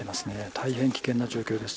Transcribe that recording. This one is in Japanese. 大変危険な状況です。